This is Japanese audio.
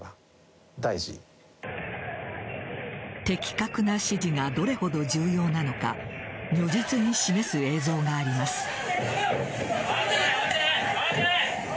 的確な指示がどれほど重要なのか如実に示す映像があります。